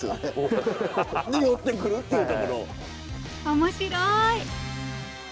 面白い！